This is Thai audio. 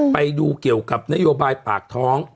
ไปดูเกี่ยวกับนโยบายปากท้อง